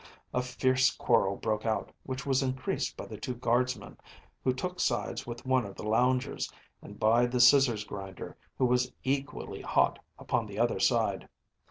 A fierce quarrel broke out, which was increased by the two guardsmen, who took sides with one of the loungers, and by the scissors grinder, who was equally hot upon the other side.